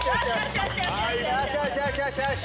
よしよしよしよし。